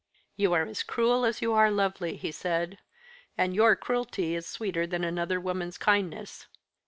"You are as cruel as you are lovely," he said, "and your cruelty is sweeter than another woman's kindness.